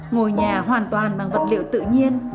ngôi nhà hoàn toàn bằng vật liệu tự nhiên